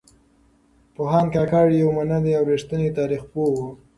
پوهاند کاکړ يو منلی او رښتينی تاريخ پوه و.